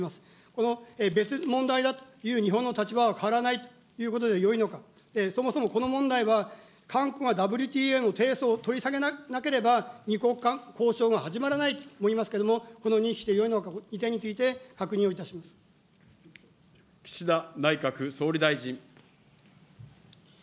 この別問題だという日本の立場は変わらないということでよいのか、そもそもこの問題は、韓国がＷＴＡに提訴を取り下げなければ、２国間交渉が始まらないと思いますけれども、この認識でよいのか、この２点について確認岸田内閣総理大臣。